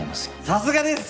さすがです。